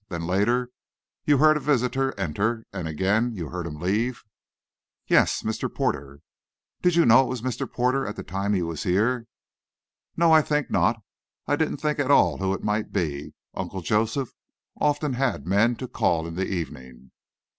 Then, later, you heard a visitor enter, and again you heard him leave?" "Yes Mr. Porter." "Did you know it was Mr. Porter, at the time he was here?" "No; I think not. I didn't think at all who it might be. Uncle Joseph often had men to call in the evening."